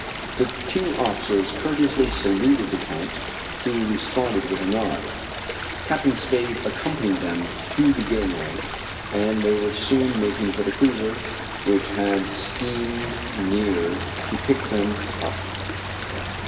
The two officers courteously saluted the Count, who responded with a nod. Captain Spade accompanied them to the gangway, and they were soon making for the cruiser, which had steamed near to pick them up.